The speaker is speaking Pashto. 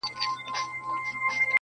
په ځنګلونو کي یې نسل ور پایمال که؛